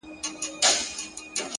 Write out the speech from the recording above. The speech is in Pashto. • ځمه و لو صحراته ـ